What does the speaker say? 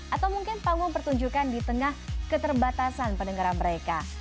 atau mungkin panggung pertunjukan di tengah keterbatasan pendengaran mereka